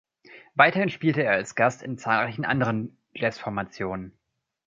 Weiterhin spielte er als Gast in zahlreichen anderen Jazzformationen.